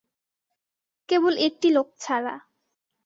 কেবল একটি লোক ছাড়া।